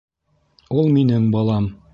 Ул минең балам!